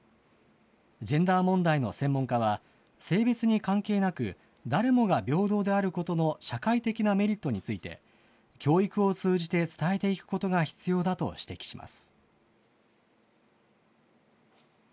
ジェンダー問題の専門家は、性別に関係なく、誰もが平等であることの社会的なメリットについて、教育を通じて伝えていくことが必要だと指摘します。